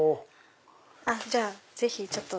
じゃあぜひちょっと。